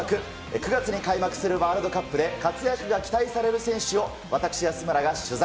９月に開幕するワールドカップで活躍が期待される選手を、私、安村が取材。